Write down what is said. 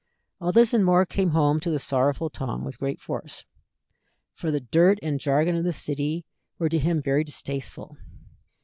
All this and more came home to the sorrowful Tom with great force, for the dirt and jargon of the city were to him very distasteful.